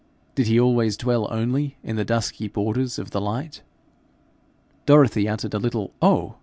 Did he always dwell only in the dusky borders of the light? Dorothy uttered a little 'Oh!'